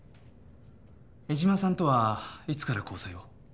江島さんとはいつから交際を？